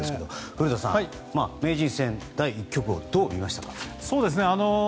古田さんは名人戦第１局をどう見ましたか？